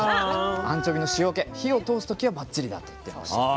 アンチョビの塩気火を通すとばっちりだと言っていました。